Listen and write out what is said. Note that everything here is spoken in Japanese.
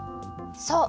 そう。